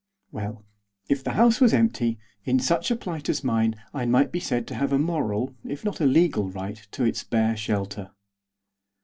Well, if the house was empty, in such a plight as mine I might be said to have a moral, if not a legal, right, to its bare shelter.